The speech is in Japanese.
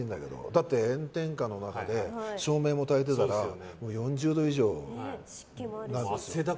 だって、炎天下の中で照明もたいてたら４０度以上になるでしょ。